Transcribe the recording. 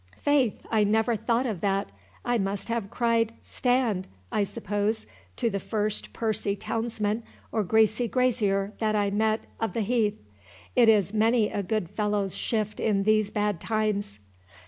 "Faith, I never thought of that; I must have cried Stand, I suppose, to the first pursy townsman or greasy grazier that I met o' the heath—it is many a good fellow's shift in these bad times."